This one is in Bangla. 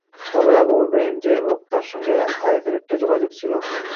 তবে আবু ইব্রাহিম যে-ই হোক, তাঁর সঙ্গে আইএসের একটা যোগাযোগ ছিল।